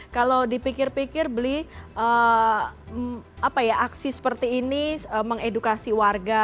kalau dipikir pikir beli aksi seperti ini mengedukasi warga